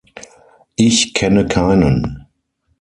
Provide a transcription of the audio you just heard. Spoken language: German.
Ich kenne keinen.